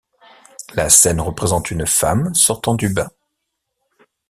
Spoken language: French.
La scène représente une femme sortant du bain.